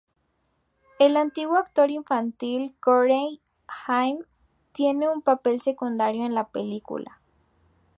El antiguo actor infantil Corey Haim tiene un papel secundario en la película.